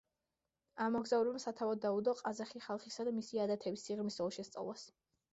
ამ მოგზაურობამ სათავე დაუდო ყაზახი ხალხისა და მისი ადათების სიღრმისეულ შესწავლას.